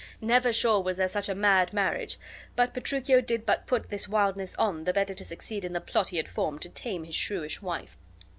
Never sure was there such a mad marriage; but Petruchio did but put this wildness on the better to succeed in the plot he had formed to tame his shrewish wife.